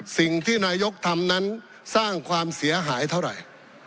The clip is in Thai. สิ่งที่นายกทำนั้นสร้างความเสียหายเท่าไหร่